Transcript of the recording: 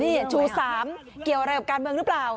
นี่ชู๓เกี่ยวอะไรกับการเมืองหรือเปล่า